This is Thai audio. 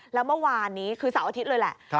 แล้วเมื่อวานนี้คือเสาร์อาทิตย์เลยแหละ